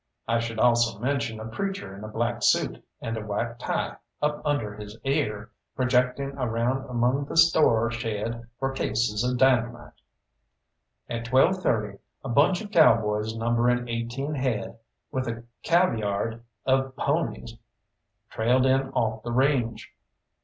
I should also mention a preacher in a black suit, and a white tie up under his ear, projecting around among the store shed for cases of dynamite. At 12:30 a bunch of cowboys numbering eighteen head, with a cavvyard of ponies, trailed in off the range.